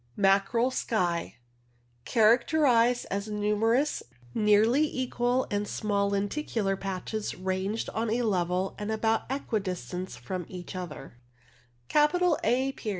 Mackerel sky. Characterized as numerous nearly equal and small lenticular patches ranged on a level and about equi distant from each other.